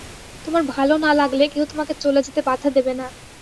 তোমার ভালো না লাগলে, কেউ তোমাকে চলে যেতে বাধা দেবে না।